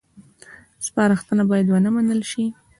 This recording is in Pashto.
سپارښتنه باید ونه منل شي